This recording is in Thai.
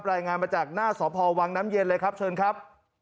รายงานมาจากหน้าสพวังน้ำเย็นเลยครับเชิญครับ